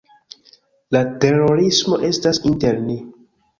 La terorismo estas inter ni.